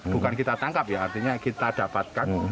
bukan kita tangkap ya artinya kita dapatkan